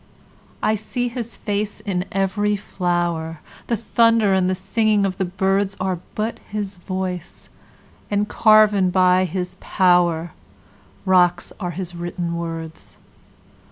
I see his face in every flower; The thunder and the singing of the birdsAre but his voice—and carven by his powerRocks are his written words.